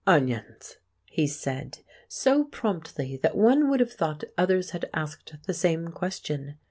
"Onions," he said, so promptly that one would have thought others had asked the same question.